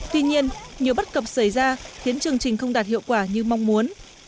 tuy nhiên nhiều bất cập xảy ra khiến chương trình không đạt hiệu quả như mong muốn